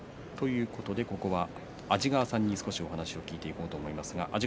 ここは安治川さんに少しお話を聞いていくと思います。